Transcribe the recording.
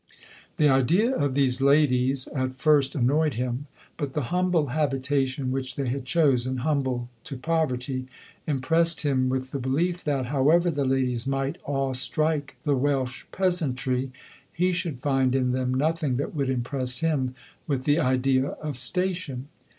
The idea of these "ladies" at first annoyed him ; but the humble habitation which they LODORE. 99 had chosen — humble to poverty — impressed him with the belief that, however the "ladies' 1 might awe strike the Welsh peasantry, he should find in them nothing that would impress him with the idea of station.